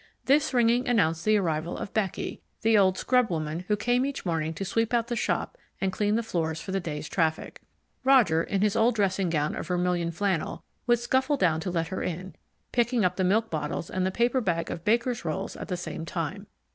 This ringing announced the arrival of Becky, the old scrubwoman who came each morning to sweep out the shop and clean the floors for the day's traffic. Roger, in his old dressing gown of vermilion flannel, would scuffle down to let her in, picking up the milk bottles and the paper bag of baker's rolls at the same time.